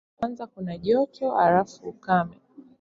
Kwanza kuna joto, halafu ukame.